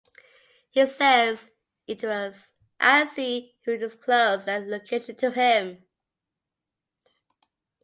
He says it was Aasi who disclosed their location to him.